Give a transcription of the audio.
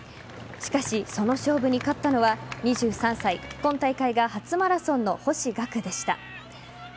しかし、その勝負に勝ったのは２３歳今大会が初マラソンの星岳でした。